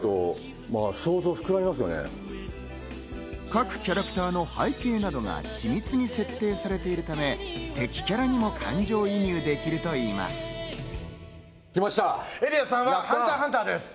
各キャラクターの背景などが緻密に設定されているため、敵キャラにも感情移入できるといいます。